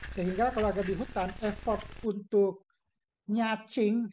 sehingga kalau agak di hutan effort untuk nyacing